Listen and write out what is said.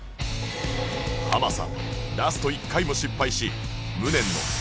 ハマさんラスト１回も失敗し無念の